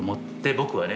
僕はね。